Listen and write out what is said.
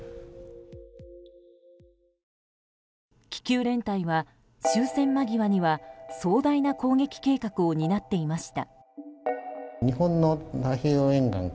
気球連隊は終戦間際には壮大な攻撃計画を担っていました。